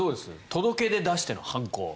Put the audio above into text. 届け出を出しての反抗。